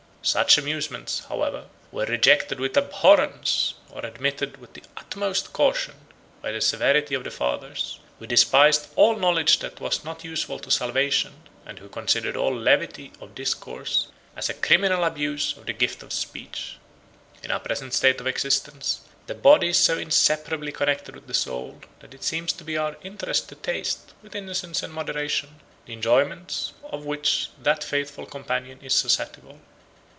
Such amusements, however, were rejected with abhorrence, or admitted with the utmost caution, by the severity of the fathers, who despised all knowledge that was not useful to salvation, and who considered all levity of discours as a criminal abuse of the gift of speech. In our present state of existence the body is so inseparably connected with the soul, that it seems to be our interest to taste, with innocence and moderation, the enjoyments of which that faithful companion is susceptible.